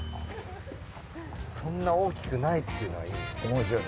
そんな大きくないっていうのがいい。